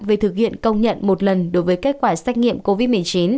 về thực hiện công nhận một lần đối với kết quả xét nghiệm covid một mươi chín